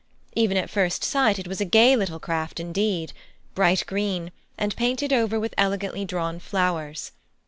Even at first sight it was a gay little craft indeed bright green, and painted over with elegantly drawn flowers.